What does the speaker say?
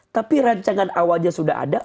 tapi rancangan awalnya sudah ada